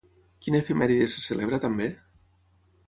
Quina efemèride se celebra també?